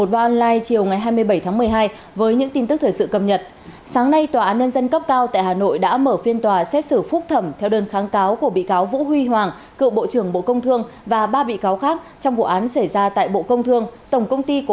bốn bị cáo kháng cáo trong vụ án này gồm vũ huy hoàng cựu bộ trưởng bộ công thương